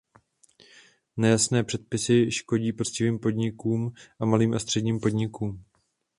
Nejasné předpisy škodí poctivým podnikům a malým a středním podnikům.